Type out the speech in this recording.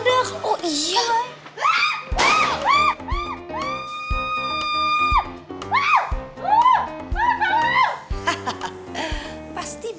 dikit lagi mudah